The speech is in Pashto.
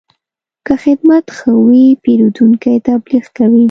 که خدمت ښه وي، پیرودونکی تبلیغ کوي.